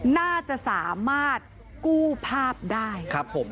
น่าจะสามารถกู้ภาพได้ครับผม